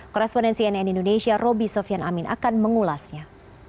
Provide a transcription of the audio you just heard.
korespondensi nn indonesia roby sofian amin akan mengulasnya